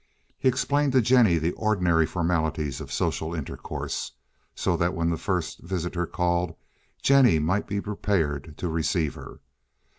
He explained to Jennie the ordinary formalities of social intercourse, so that when the first visitor called Jennie might be prepared to receive her.